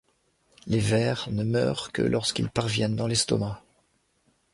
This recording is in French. Les vers ne meurent que lorsqu'ils parviennent dans l'estomac.